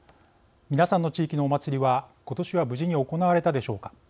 皆さんの地域のお祭りは今年は無事に行われたでしょうか。